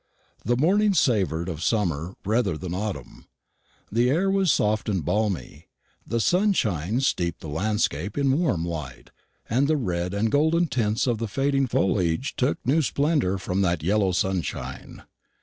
The morning savoured of summer rather than autumn. The air was soft and balmy, the sunshine steeped the landscape in warm light, and the red and golden tints of the fading foliage took new splendour from that yellow sunshine.